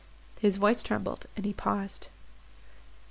His voice trembled, and he paused.